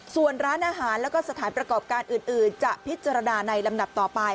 ส่วนร้านอาหารแล้วก็สถานประกอบการอื่นจะพิจารณาในลำดับต่อไป